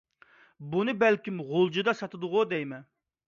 بۇنى بەلكىم غۇلجىدا ساتىدىغۇ دەيمەن.